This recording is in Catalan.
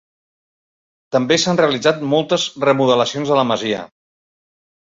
També s'han realitzat moltes remodelacions a la masia.